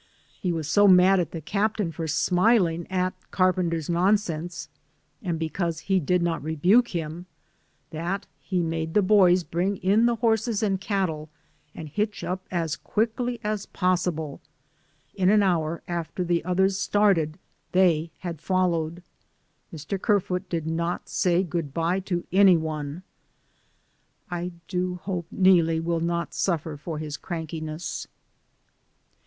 He was so mad at the captain for smiling at Carpenter's non sense, and because he did not rebuke him, that he made the boys bring in the horses and cattle and hitch up as quickly as possible. In an hour after the others started they had followed. Mr. Kerfoot did not say good bye to any one. I do hope Neelie will not suffer for his crankiness.